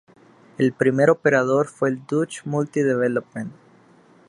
El primer operador fue el Dutch Multi Development.